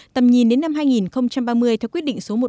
tầm nhìn đến năm hai nghìn ba mươi theo quyết định số một trăm ba mươi bốn